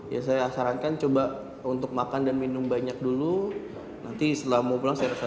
ya saya sarankan coba untuk makan dan minum banyak dulu nanti setelah mau pulang saya rasa